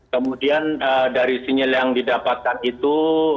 kemudian dari sinyal yang didapatkan itu